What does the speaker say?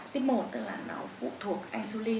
tiếp một tức là nó phụ thuộc insulin